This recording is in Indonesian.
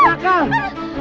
kau kaget banget